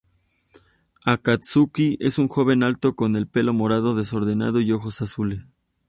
Akatsuki es un joven alto, con el pelo morado desordenado y ojos azules.